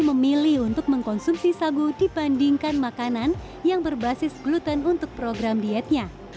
memilih untuk mengkonsumsi sagu dibandingkan makanan yang berbasis gluten untuk program dietnya